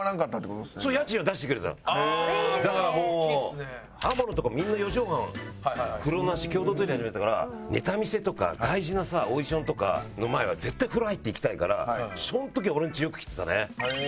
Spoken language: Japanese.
だからもう天野とかみんな４畳半風呂なし共同トイレだったからネタ見せとか大事なさオーディションとかの前は絶対風呂入って行きたいからその時は俺んちよく来てたね。